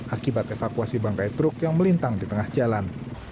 akibat evakuasi bangkai truk yang melintang di tengah jalan